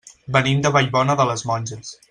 Venim de Vallbona de les Monges.